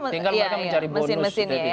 tinggal mereka mencari bonus